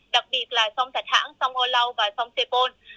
đặc biệt là sông thạch hãng sông âu lâu và sông tây pôn